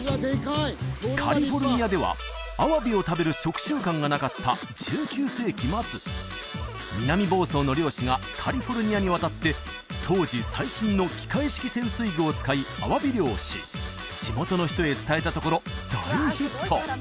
カリフォルニアではアワビを食べる食習慣がなかった１９世紀末南房総の漁師がカリフォルニアに渡って当時最新の器械式潜水具を使いアワビ漁をし地元の人へ伝えたところ大ヒット